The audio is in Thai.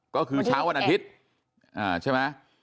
ก็คือเช้าอันอาทิตย์